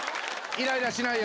イライラしないよ！